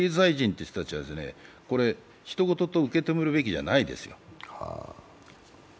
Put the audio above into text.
経済人という人たちは、ひと事と受け止めるべきではないですよ。